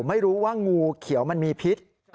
ไม่รู้ว่างูเขียวมันมีพิษ